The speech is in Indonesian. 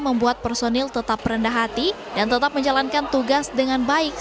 membuat personil tetap rendah hati dan tetap menjalankan tugas dengan baik